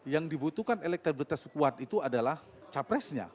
yang dibutuhkan elektabilitas kuat itu adalah capresnya